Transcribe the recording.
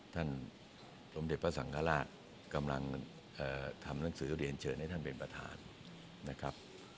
สมเด็จพระสังฆราชกำลังทำหนังสือเรียนเชิญให้ท่านเป็นประธานนะครับ